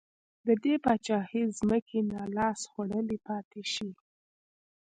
د دې پاچاهۍ ځمکې نا لاس خوړلې پاتې شي.